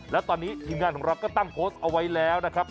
แล้วตอนนี้ทีมงานของเราก็ตั้งโพสต์เอาไว้แล้วนะครับ